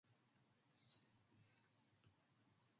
He later attended Columbia University for graduate studies.